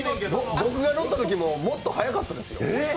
僕が乗ったときももっと速かったですよ。